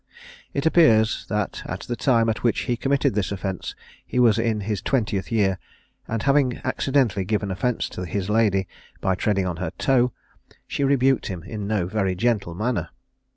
It appears that at the time at which he committed this offence he was in his twentieth year, and having accidentally given offence to his lady, by treading on her toe, she rebuked him in no very gentle manner.